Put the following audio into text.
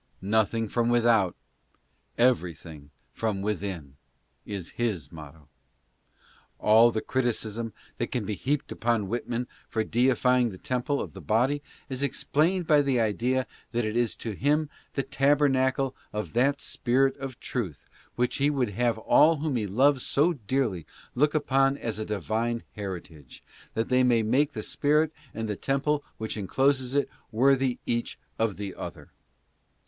"Nothing from without, everything from within," is his motto. All the criticism that can be heaped upon Whitman for deify ing the temple of the body is explained by the idea that it is to him the tabernacle of that spirit of truth which he would have all whom he loves so dearly look upon as a divine heritage, that they may make the spirit and the temple which encloses it worthy each of the other.